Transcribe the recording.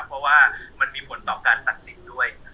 เพราะว่ามันมีผลต่อการตัดสินด้วย